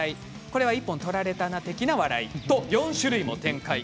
これは一本取られたな的な笑いと４種類も展開。